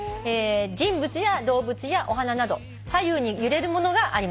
「人物や動物やお花など左右に揺れるものがありました」